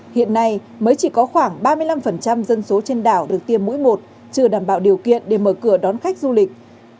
hiện nay mới chỉ có khoảng ba mươi năm dân số trên đảo được tiêm mỗi một chưa đảm bảo điều kiện để mở cửa đón khách du lịch